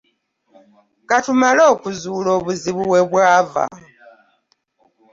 Ka tumale okuzuula obuzibu we bwava.